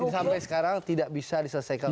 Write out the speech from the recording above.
sampai sekarang tidak bisa diselesaikan